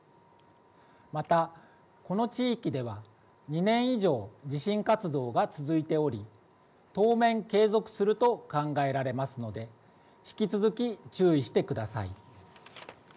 また、この地域では２年以上、地震活動が続いており当面継続すると考えられますので引き続き注意してください。